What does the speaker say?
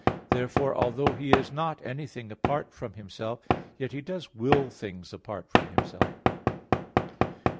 Therefore, although He is not anything apart from Himself, yet He does will things apart from Himself.